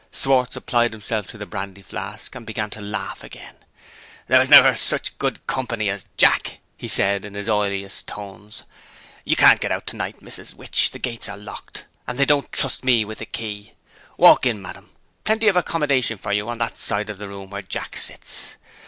Schwartz applied himself to the brandy flask, and began to laugh again. "There never was such good company as Jack," he said, in his oiliest tones. "You can't get out to night, Mrs. Witch. The gates are locked and they don't trust me with the key. Walk in, ma'am. Plenty of accommodation for you, on that side of the room where Jack sits.